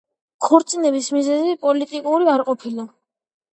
ქორწინების მიზეზი პოლიტიკური არ ყოფილა.